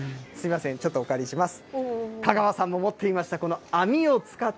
すみません、ちょっとお借りします。